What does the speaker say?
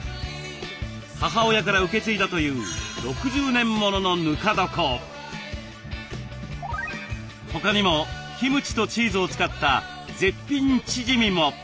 母親から受け継いだという他にもキムチとチーズを使った絶品チヂミも。